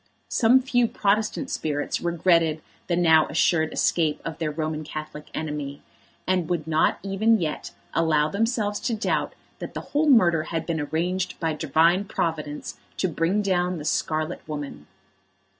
Some few Protestant spirits regretted the now assured escape of their Roman Catholic enemy, and would not even yet allow themselves to doubt that the whole murder had been arranged by Divine Providence to bring down the scarlet woman.